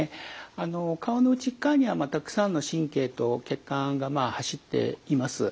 あのお顔の内っ側にはたくさんの神経と血管が走っています。